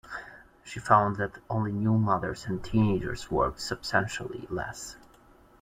She found that only new mothers and teenagers worked substantially less.